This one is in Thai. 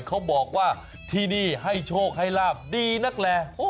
เขาบอกว่าที่นี่ให้โชคให้ลาบดีนักแล